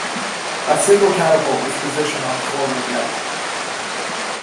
A single catapult was positioned on the forward deck.